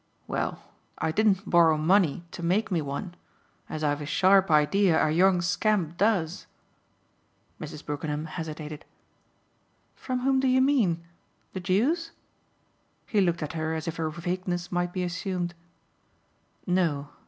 "Well, I didn't borrow money to make me one as I've a sharp idea our young scamp does." Mrs. Brookenham hesitated. "From whom do you mean the Jews?" He looked at her as if her vagueness might be assumed. "No.